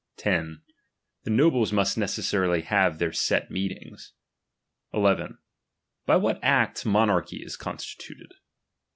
10. The Doblcs mu$t necessarily have their set meetings. 11. By what acta monarchy is constituted.